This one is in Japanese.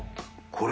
△これ。